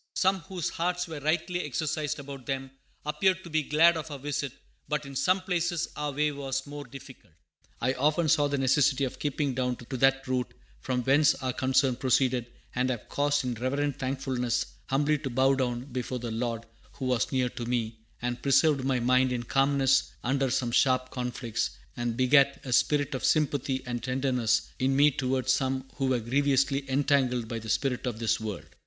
Some, whose hearts were rightly exercised about them, appeared to be glad of our visit, but in some places our way was more difficult. I often saw the necessity of keeping down to that root from whence our concern proceeded, and have cause in reverent thankfulness humbly to bow down before the Lord who was near to me, and preserved my mind in calmness under some sharp conflicts, and begat a spirit of sympathy and tenderness in me towards some who were grievously entangled by the spirit of this world."